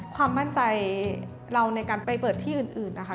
ความมั่นใจเราในการไปเปิดที่อื่นนะคะ